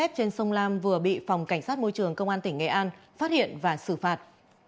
trên sông lam vừa bị phòng cảnh sát môi trường công an tỉnh nghệ an phát hiện và xử phạt